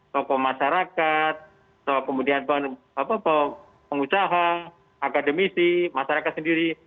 tokoh masyarakat kemudian pengusaha akademisi masyarakat sendiri